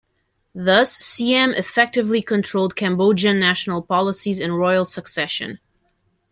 Thus, Siam effectively controlled Cambodian national policies and royal succession.